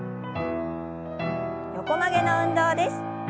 横曲げの運動です。